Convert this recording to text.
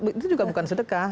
itu juga bukan sedekah